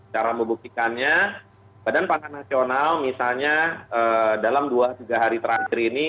cara membuktikannya badan pangan nasional misalnya dalam dua tiga hari terakhir ini